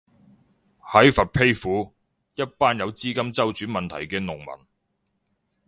喺佛丕府，一班有資金周轉問題嘅農民